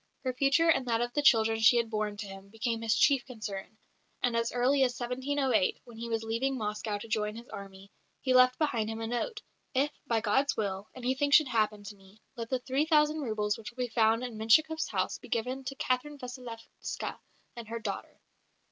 Her future and that of the children she had borne to him became his chief concern; and as early as 1708, when he was leaving Moscow to join his army, he left behind him a note: "If, by God's will, anything should happen to me, let the 3000 roubles which will be found in Menshikoff's house be given to Catherine Vassilevska and her daughter."